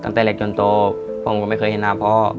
ตั้งแต่เล็กจนโตผมก็ไม่เคยเห็นหน้าพ่อ